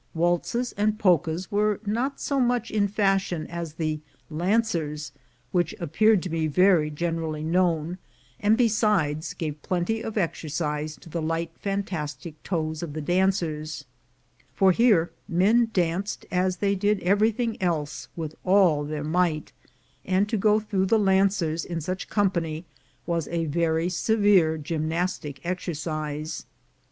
Waltzes and polkas were not so much in fashion as the lancers which appeared to be very generally known, and, be sides, gave plenty of exercise to the light fantastic toes of the dancers ; for here men danced, as they did every thing else, with all their might; and to go through the lancers in such company was a very severe gym nastic exercise.